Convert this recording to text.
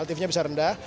ltv nya bisa rendah